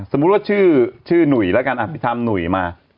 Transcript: สมมุติว่าชื่อหนุ่ยแล้วกันไปทำหนุ่ยมา